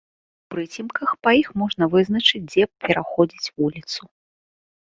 У прыцемках па іх можна вызначыць, дзе пераходзіць вуліцу.